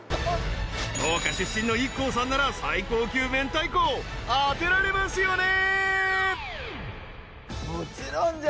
［福岡出身のＩＫＫＯさんなら最高級めんたいこ当てられますよね？］